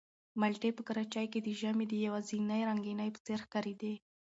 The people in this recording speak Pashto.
مالټې په کراچۍ کې د ژمي د یوازینۍ رنګینۍ په څېر ښکارېدې.